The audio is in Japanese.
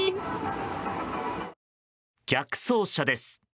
逆走車です。